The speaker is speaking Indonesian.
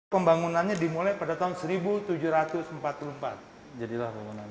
pembangunannya dimulai pada tahun seribu tujuh ratus empat puluh empat jadilah pembangunan